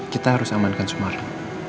kita harus amankan sumaro